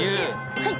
はい！